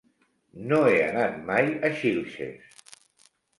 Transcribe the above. No he anat mai a Xilxes.